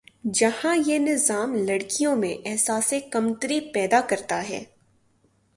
جہاں یہ نظام لڑکیوں میں احساسِ کمتری پیدا کرتا ہے